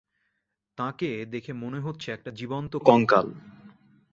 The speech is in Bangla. তাঁকে দেখে মনে হচ্ছে একটা জীবন্ত কঙ্কাল।